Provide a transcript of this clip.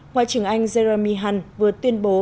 ngoại trưởng anh jeremy hunt vừa tuyên bố